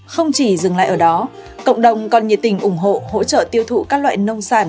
không chỉ dừng lại ở đó cộng đồng còn nhiệt tình ủng hộ hỗ trợ tiêu thụ các loại nông sản